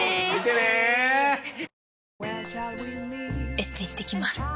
エステ行ってきます。